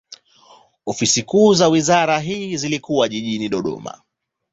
Ofisi kuu za wizara hii zilikuwa jijini Dodoma.